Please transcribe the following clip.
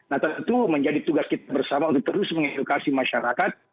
nah tentu menjadi tugas kita bersama untuk terus mengedukasi masyarakat